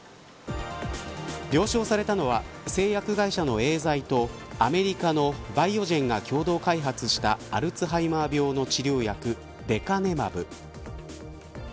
了承されたのは製薬会社のエーザイとアメリカのバイオジェンが共同開発したアルツハイマー病の治療薬レカネマブ。